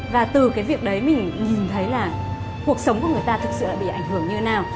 và từ cái việc đấy mình nhìn thấy là cuộc sống của người ta thực sự là bị ảnh hưởng như thế nào